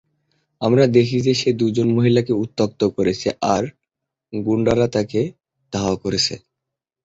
আমরা দেখি যে, সে দুজন মহিলাকে উত্যক্ত করছে, আর গুন্ডারা তাকে ধাওয়া করছে।